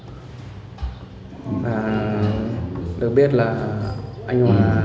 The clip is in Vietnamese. và được biết là anh hòa